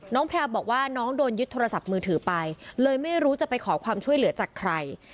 แพลวบอกว่าน้องโดนยึดโทรศัพท์มือถือไปเลยไม่รู้จะไปขอความช่วยเหลือจากใคร